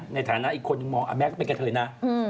ในฐานะอีกคนมองแม็กซ์เป็นกับเธอนะ